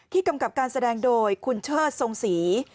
กำกับการแสดงโดยคุณเชิดทรงศรี